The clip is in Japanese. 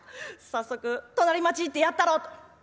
早速隣町行ってやったろ！」と。